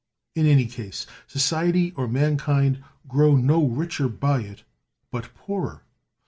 In any case, society or mankind grow no richer by it, but poorer.